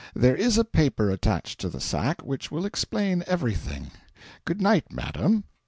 There is a paper attached to the sack which will explain everything. Good night, madam."